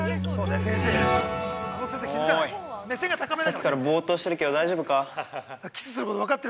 さっきからぼーっとしてるけど大丈夫か？